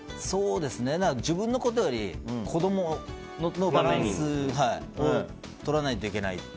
そうですね、自分のことより子供のバランスをとらないといけない。